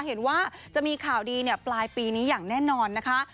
เห็นว่าจะมีข่าวดีปลายปีนี้อย่างแน่นอนนะคะ